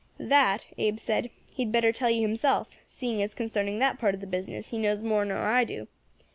"That," Abe said, "he'd better tell you himself, seeing as concerning that part of the business he knows more nor I do.